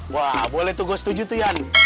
wah boleh tuh gue setuju tuh yan